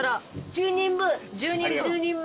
１０人分１０人前。